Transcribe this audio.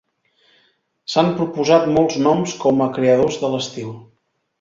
S'han proposat molts noms com a creadors de l'estil.